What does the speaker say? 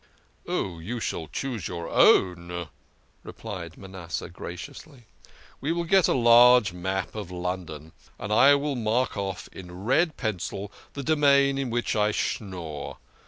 "Oh, you shall cho6se your own," replied Manasseh graciously. " We will get a large map of London, and I will mark off in red pencil the domain in which I schnorr.